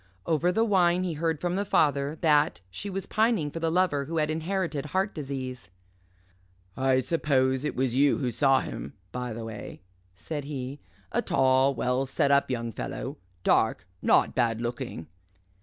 Over the wine he heard from the father that she was pining for the Lover who had inherited heart disease. "I suppose it was you who saw him, by the way," said he, "a tall, well set up young fellow dark not bad looking."